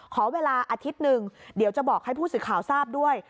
ขอเวลาอาทิตย์หนึ่งเดี๋ยวจะบอกให้ผู้สื่อข่าวทราบด้วย